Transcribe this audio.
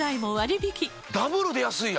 ダブルで安いな！